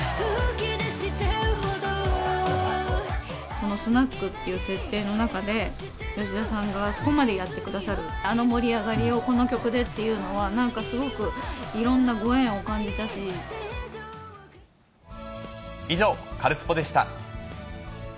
そのスナックという設定の中で、吉田さんがあそこまでやってくださる、あの盛り上がりをこの曲でっていうのは、なんかすごくいろんなご以上、カルスポっ！でした。